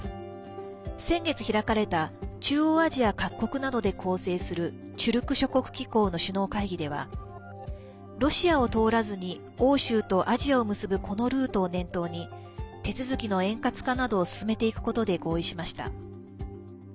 先月開かれた中央アジア各国などで構成するチュルク諸国機構の首脳会議ではロシアを通らずに欧州とアジアを結ぶこのルートを念頭に手続きの円滑化などを進めていくことで合意しました。